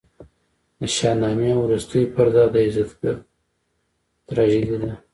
د شاهنامې وروستۍ پرده د یزدګُرد تراژیدي ده.